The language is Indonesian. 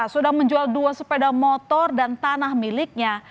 sudah menjual dua sepeda motor dan tanah miliknya